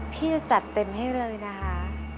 พี่จะจัดเต็มให้เลยนะคะ